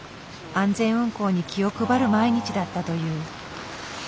安全運行に気を配る毎日だったという。